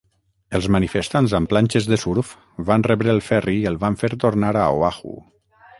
Els manifestants amb planxes de surf van rebre el ferri i el van fer tornar a Oahu.